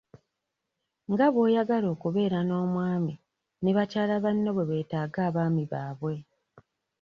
Nga bw'oyagala okubeera n'omwami ne bakyala banno bwe beetaaga abaami baabwe.